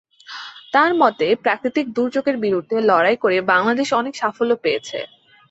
তাঁর মতে, প্রাকৃতিক দুর্যোগের বিরুদ্ধে লড়াই করে বাংলাদেশ অনেক সাফল্য পেয়েছে।